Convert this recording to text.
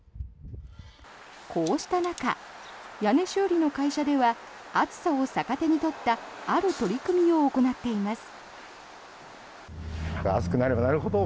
こうした中、屋根修理の会社では暑さを逆手に取ったある取り組みを行っています。